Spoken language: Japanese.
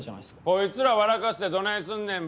こいつら笑かしてどないすんねん。